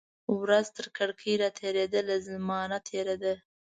ورځ ترکړکۍ را تیریدله، زمانه تیره ده